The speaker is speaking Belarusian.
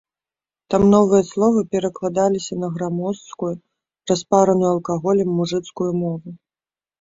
Там новыя словы перакладаліся на грамоздкую, распараную алкаголем мужыцкую мову.